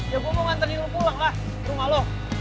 ya gua mau ngantenin lu pulang lah rumah lu